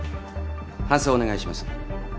搬送お願いします。